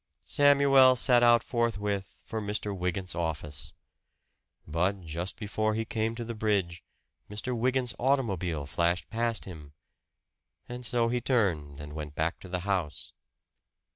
Samuel set out forthwith for Mr. Wygant's office. But just before he came to the bridge Mr. Wygant's automobile flashed past him; and so he turned and went back to the house.